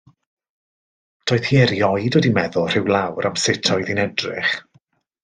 Doedd hi erioed wedi meddwl rhyw lawr am sut oedd hi'n edrych.